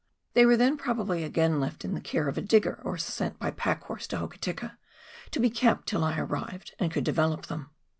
They were then probably again left in care of a digger or sent up by packhorse to Hokitika to be kept till I arrived and could develop them.